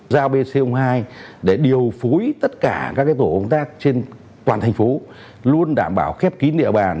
giao bco hai để điều phối tất cả các tổ công tác trên toàn thành phố luôn đảm bảo khép kín địa bàn